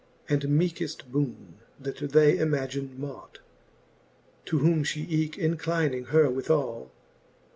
And meekeft boone, that they imagine mought. To whom fhe eke inclyning her withall.